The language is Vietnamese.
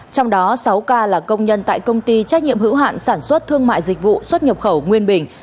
trong đó sáu ca là công nhân tại công ty trách nhiệm hữu hạn sản xuất thương mại dịch vụ xuất nhập khẩu nguyên bình